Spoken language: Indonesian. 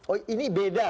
oh ini beda